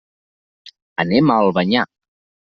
Anem a Albanyà.